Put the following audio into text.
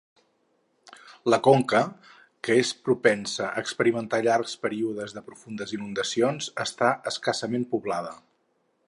La Conca, que és propensa a experimentar llargs períodes de profundes inundacions, està escassament poblada.